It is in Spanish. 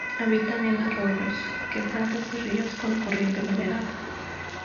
Habita en arroyos, quebradas y ríos con corriente moderada.